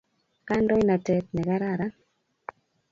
kandoinatet nekararan